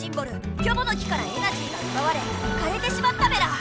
「キョボの木」からエナジーがうばわれかれてしまったメラ。